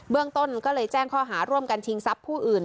เรื่องต้นก็เลยแจ้งข้อหาร่วมกันชิงทรัพย์ผู้อื่น